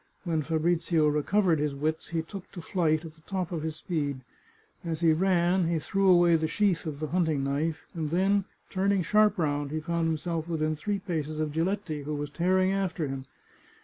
When Fabrizio recovered his wits he took to flight at the top of his speed. As he ran he threw away the sheath of the hunting knife, and then, turning sharp round, he found himself within three paces of Giletti, who was tearing after him.